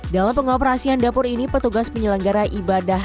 dalam pengoperasian dapur ini petugas penyelenggara ibadah